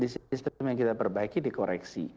sistem yang kita perbaiki dikoreksi